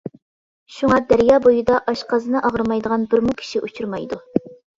شۇڭا، دەريا بويىدا ئاشقازىنى ئاغرىمايدىغان بىرمۇ كىشى ئۇچرىمايدۇ.